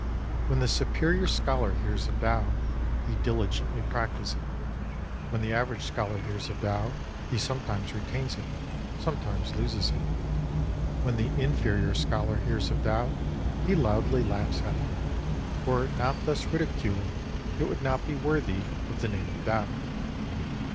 When the superior scholar hears of Tao, he diligently practises it. When the average scholar hears of Tao, he sometimes retains it, sometimes loses it. When the inferior scholar hears of Tao, he loudly laughs at it. Were it not thus ridiculed, it would not be worthy of the name of Tao.